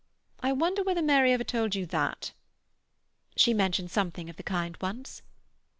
I wonder whether Mary ever told you that." "She mentioned something of the kind once."